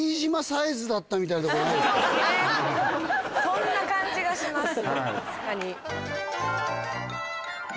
そんな感じがします。